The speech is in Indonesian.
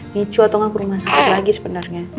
micu atau gak ke rumah sama lagi sebenernya